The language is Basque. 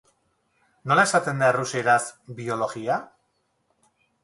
Nola esaten da errusieraz "biologia"?